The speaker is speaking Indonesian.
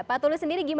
pak tulus sendiri gimana